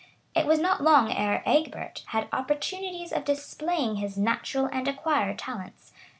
It was not long ere Egbert had opportunities of displaying his natural and acquired talents.